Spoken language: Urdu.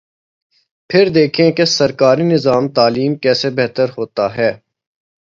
پھر دیکھیں کہ سرکاری نظام تعلیم کیسے بہتر ہوتا ہے۔